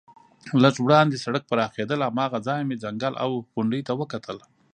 لږ وړاندې سړک پراخېده، له هماغه ځایه مې ځنګل او غونډۍ ته وکتل.